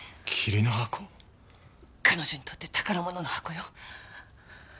彼女にとって宝物の箱よ。